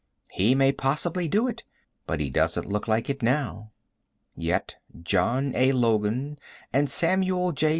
He may possibly do it, but he doesn't look like it now. Yet John A. Logan and Samuel J.